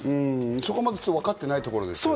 そこまで分かっていないところですよね。